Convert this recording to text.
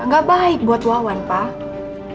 gak baik buat wawan pak